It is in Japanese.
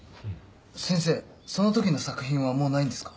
先生その時の作品はもうないんですか？